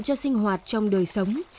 vừa hoạt trong đời sống